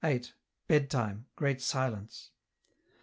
Bed time, Great Silence.